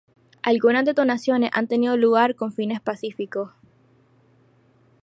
Algunas detonaciones han tenido lugar con fines pacíficos.